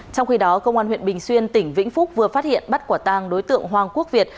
trong khi đó công an huyện bình xuyên tỉnh vĩnh phúc vừa phát hiện bắt quả tang đối tượng hoàng quốc việt